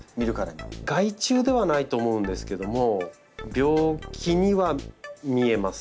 害虫ではないと思うんですけども病気には見えます。